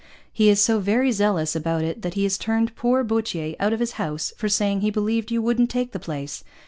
He is so very zealous about it that he has turned poor Boutier out of his house for saying he believed you wouldn't take the Place.